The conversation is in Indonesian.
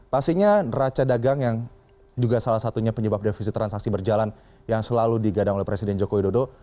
pastinya raca dagang yang juga salah satunya penyebab defisit transaksi berjalan yang selalu digadang oleh presiden joko widodo